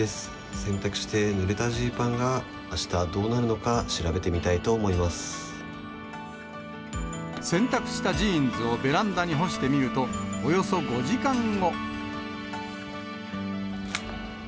洗濯してぬれたジーパンが、あしたどうなるのか調べてみたい洗濯したジーンズをベランダに干してみると、およそ５時間後。